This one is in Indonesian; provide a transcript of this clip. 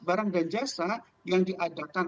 barang dan jasa yang diadakan